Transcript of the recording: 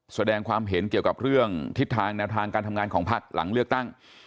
แสดงความเห็นเกี่ยวกับเรื่องทิศทางแนวทางการทำงานของพักหลังเลือกตั้ง